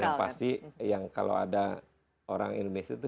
yang pasti yang kalau ada orang indonesia itu